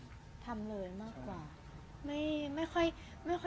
จริงเราไม่ค่อยสัญญาอะไรให้กันแล้วกันนะค่อนข้างที่เวลาจะทำอะไรเราก็ทำเลยมากกว่า